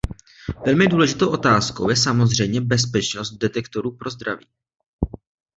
Velmi důležitou otázkou je samozřejmě bezpečnost detektorů pro zdraví.